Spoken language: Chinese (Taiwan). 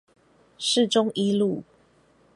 市中一路